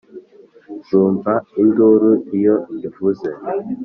Zumva induru iyo ivuze